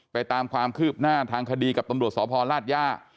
ไปตามความคืบหน้าทางคดีกับตำรวจสอบภรรณราชย่า